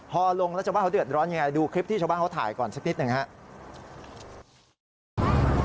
พอลงแล้วชาวบ้านเขาเดือดร้อนยังไงดูคลิปที่ชาวบ้านเขาถ่ายก่อนสักนิดหนึ่งครับ